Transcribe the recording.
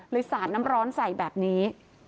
สาดน้ำร้อนใส่แบบนี้